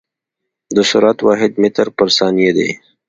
د سرعت واحد متر پر ثانیه دی.